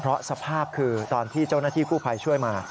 เพราะสภาพคือตอนที่เจ้าหน้าที่กู้ภัยช่วยมา